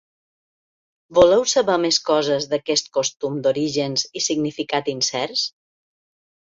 Voleu saber més coses d’aquest costum d’orígens i significat incerts?